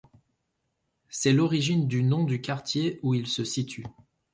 C'est l'origine du nom du quartier où il se situe.